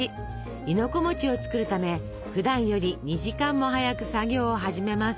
亥の子を作るためふだんより２時間も早く作業を始めます。